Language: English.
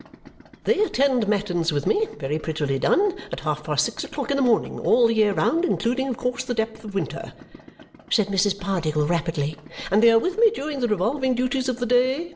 "They attend matins with me (very prettily done) at half past six o'clock in the morning all the year round, including of course the depth of winter," said Mrs. Pardiggle rapidly, "and they are with me during the revolving duties of the day.